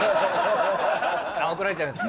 怒られちゃいます。